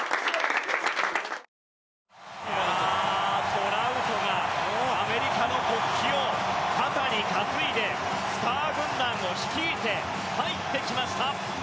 トラウトがアメリカの国旗を肩に担いでスター軍団を率いて入ってきました。